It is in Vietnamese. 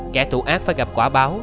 kẻ tụ ác phải gặp quả báo